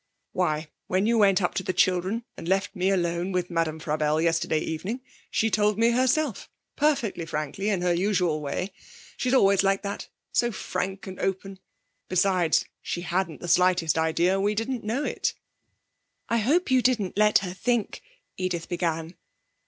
'Why, when you went up to the children and left me alone with Madame Frabelle yesterday evening, she told me herself; perfectly frankly, in her usual way. She's always like that, so frank and open. Besides, she hadn't the slightest idea we didn't know it.' 'I hope you didn't let her think ' Edith began.